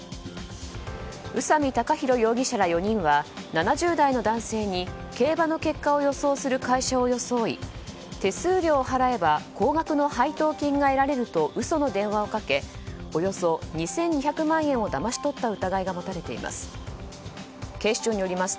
宇佐美貴宏容疑者ら４人は７０代の男性に競馬の結果を予想する会社を装い手数料を払えば高額の配当金が得られると嘘の電話をかけおよそ２２００万円をだまし取った疑いが持たれています。